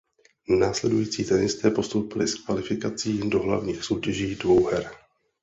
Následující tenisté postoupili z kvalifikací do hlavních soutěží dvouher.